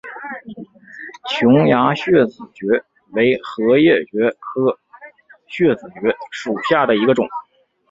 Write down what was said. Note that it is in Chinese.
琼崖穴子蕨为禾叶蕨科穴子蕨属下的一个种。